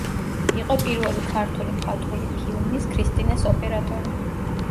იყო პირველი ქართული მხატვრული ფილმის, „ქრისტინეს“ ოპერატორი.